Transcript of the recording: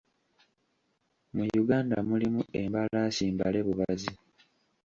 Mu Uganda mulimu embalaasi mbale bubazi